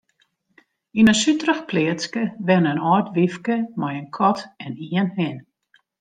Yn in suterich pleatske wenne in âld wyfke mei in kat en ien hin.